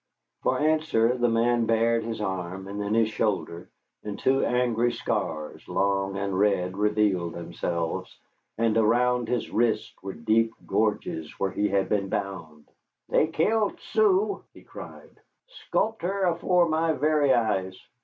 For answer the man bared his arm, then his shoulder, and two angry scars, long and red, revealed themselves, and around his wrists were deep gouges where he had been bound. "They killed Sue," he cried, "sculped her afore my very eyes.